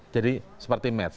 jadi seperti match